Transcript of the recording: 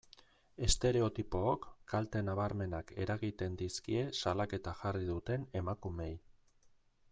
Estereotipook kalte nabarmenak eragiten dizkie salaketa jarri duten emakumeei.